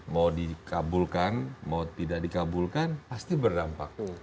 mau dikabulkan mau tidak dikabulkan pasti berdampak